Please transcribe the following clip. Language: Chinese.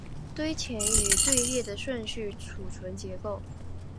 堆栈与队列的顺序存储结构